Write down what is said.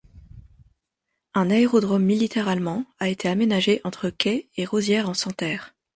Un aérodrome militaire allemand a été aménagé entre Caix et Rosières-en-Santerre.